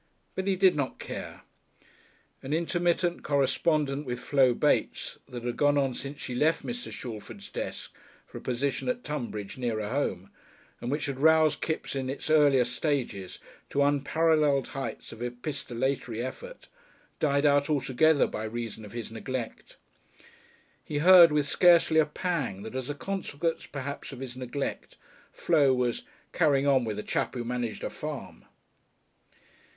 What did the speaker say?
But he did not care. An intermittent correspondent with Flo Bates, that had gone on since she left Mr. Shalford's desk for a position at Tunbridge "nearer home," and which had roused Kipps in its earlier stages to unparalleled heights of epistolatory effort, died out altogether by reason of his neglect. He heard with scarcely a pang that, as a consequence perhaps of his neglect, Flo was "carrying on with a chap who managed a farm."